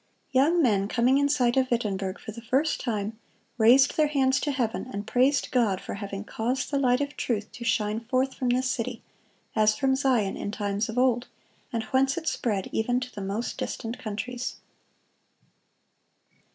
Young men, coming in sight of Wittenberg for the first time, "raised their hands to heaven, and praised God for having caused the light of truth to shine forth from this city, as from Zion in times of old, and whence it spread even to the most distant countries."